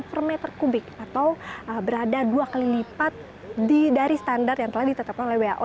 per meter kubik atau berada dua kali lipat dari standar yang telah ditetapkan oleh who